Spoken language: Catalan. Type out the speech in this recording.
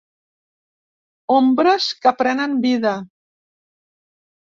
Ombres que prenen vida.